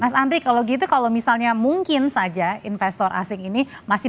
mas andri kalau gitu kalau misalnya mungkin saja investor asing ini masih